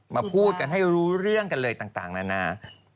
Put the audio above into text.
พูดกันให้รู้เรื่องกันเลยต่างนานา